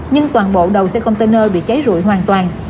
nhưng toàn bộ đầu xe container bị cháy rụi hoàn toàn